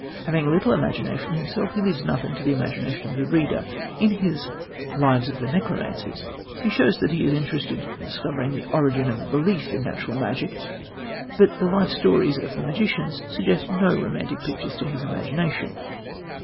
Having little imagination himself, he leaves nothing to the imagination of the reader. In his Lives of the Necromancers, he shows that he is interested in discovering the origin of a belief in natural magic; but the life stories of the magicians suggest no romantic pictures to his imagination.